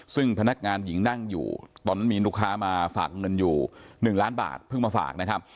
ซึ่งพนักงานหญิงนั่งอยู่ตอนนั้นมีลูกค้ามาฝากเงินอยู่๑ล้านบาทเพิ่งมาฝากนะครับ